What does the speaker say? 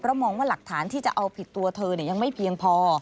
มองว่าหลักฐานที่จะเอาผิดตัวเธอยังไม่เพียงพอ